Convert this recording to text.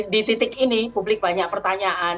di titik ini publik banyak pertanyaan